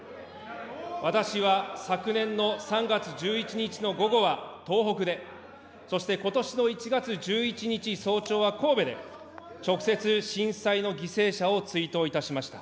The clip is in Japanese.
私は昨年の３月１１日の午後は東北で、そしてことしの１月１７日早朝は神戸で、直接、震災の犠牲者を追悼いたしました。